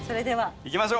いきましょう。